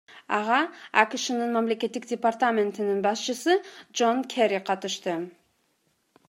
Ага АКШнын Мамлекеттик департаментинин башчысы Жон Керри катышты.